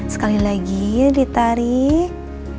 sekali lagi ditarik